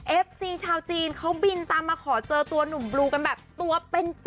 เอฟซีชาวจีนเขาบินตามมาขอเจอตัวหนุ่มบลูกันแบบตัวเป็น๘